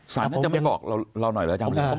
สารน่าจะมาบอกเราหน่อยหรือครับ